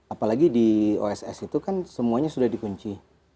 apalagi di oss itu kan semuanya sudah dikunci